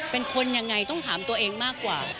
เป็นคนยังไงต้องถามตัวเองมากกว่า